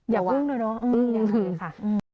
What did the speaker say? อย่าพึ่งด้วยเนอะ